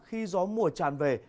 khi gió mùa tràn về